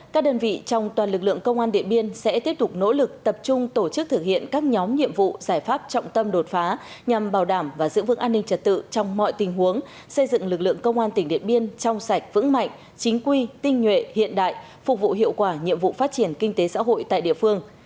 các đơn vị trong toàn lực lượng công an điện biên sẽ tiếp tục nỗ lực tập trung tổ chức thực hiện các nhóm nhiệm vụ giải pháp trọng tâm đột phá nhằm bảo đảm và giữ vững an ninh trật tự trong mọi tình huống xây dựng lực lượng công an tỉnh điện biên trong sạch vững mạnh chính quy tinh nhuệ hiện đại phục vụ hiệu quả nhiệm vụ phát triển kinh tế xã hội tại địa phương